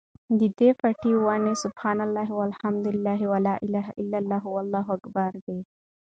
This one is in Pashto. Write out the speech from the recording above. ددي بوټي، وني: سُبْحَانَ اللهِ وَالْحَمْدُ للهِ وَلَا إِلَهَ إلَّا اللهُ وَاللهُ أكْبَرُ دي